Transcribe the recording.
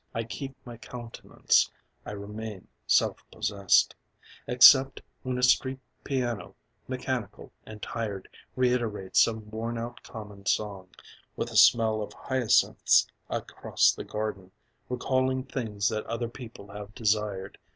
I keep my countenance, I remain self possessed Except when a street piano, mechanical and tired Reiterates some worn out common song With the smell of hyacinths across the garden Recalling things that other people have desired.